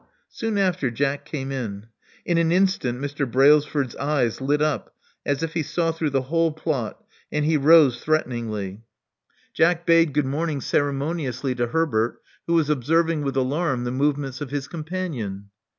Soon after, Jack came in. In an instant Mr. Brailsford's eyes lit up as if he saw through the whole plot; and he rose threateningly. Jack bade Love Among the Artists 139 good morning ceremoniously to Herbert, who was observing with alarm the movements of his com panion.